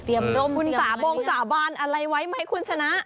เตรียมร่มบุญสาบงสาบานอะไรไว้ไหมคุณสนะ